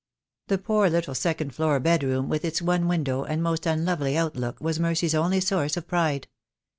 That poor little second floor bedroom, with its one window, and most unlovely outlook, was Mercy's only source of pride.